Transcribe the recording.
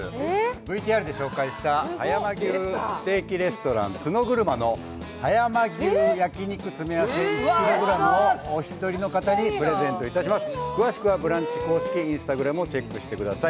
ＶＴＲで紹介した、葉山牛ステーキレストラン角車の葉山牛焼き肉詰め合わせ１ｋｇをお一人様にプレゼントいたします。